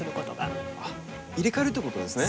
入れ替えるってことですね？